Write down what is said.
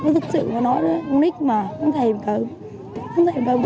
thực sự họ nói đó không nít mà không thèm cơm không thèm cơm